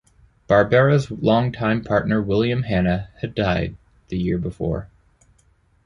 Barbera's longtime partner William Hanna had died the year before.